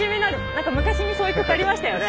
なんか昔にそういう曲ありましたよね。